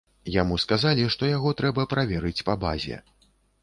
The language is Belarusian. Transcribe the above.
Яму сказалі, што яго трэба праверыць па базе.